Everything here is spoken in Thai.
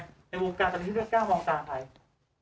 พี่หนุ่มมีไหมในวงการทางที่เธอกล้ามองตาใคร